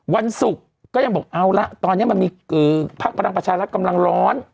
วันศุกร์ก็ยังบอกเอาละตอนนี้มันมีพักพลังประชารัฐกำลังร้อน